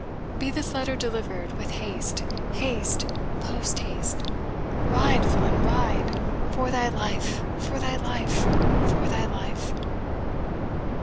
Be this letter delivered with haste haste post haste! Ride, villain, ride, for thy life for thy life for thy life.